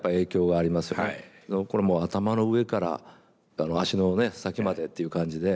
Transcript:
これも頭の上から足の先までっていう感じで。